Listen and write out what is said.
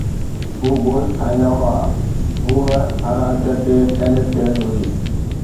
هو گوشت کائيندا هئا، هوءَ هر آچر تي ٽينس کيڏندي هئي